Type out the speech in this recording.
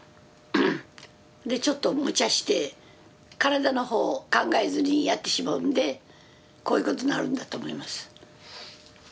でちょっとむちゃして体の方を考えずにやってしまうんでこういうことになるんだと思います。